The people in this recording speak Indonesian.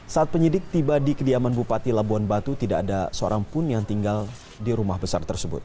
saat penyidik tiba di kediaman bupati labuan batu tidak ada seorang pun yang tinggal di rumah besar tersebut